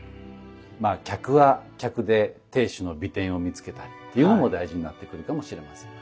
まあ客は客で亭主の美点を見つけたりっていうのも大事になってくるかもしれません。